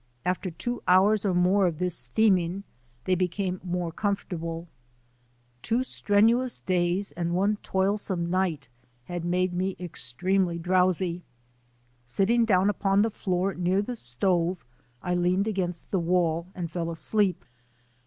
After two hours or more of this steaming they became more comfortable. Two strenuous days and one toil some night had made me extremely drowsy. Sit ting down upon the floor near the stove I leaned against the wall and fell asleep.